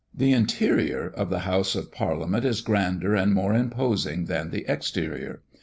The interior of the Houses of Parliament is grander and more imposing than the exterior.